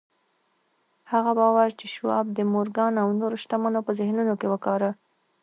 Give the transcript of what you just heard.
هغه باور چې شواب د مورګان او نورو شتمنو په ذهنونو کې وکاره.